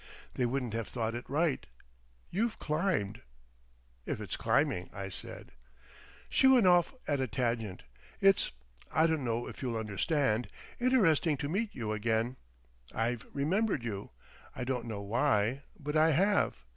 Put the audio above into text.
They wouldn't have thought it right. You've climbed." "If it's climbing," I said. She went off at a tangent. "It's—I don't know if you'll understand—interesting to meet you again. I've remembered you. I don't know why, but I have.